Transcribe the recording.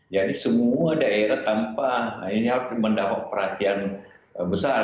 jadi semua daerah tanpa ini harus mendapat perhatian besar